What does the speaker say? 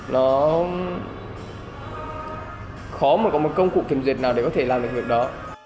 nó khó mà có một công cụ kiểm duyệt nào để có thể làm được việc đó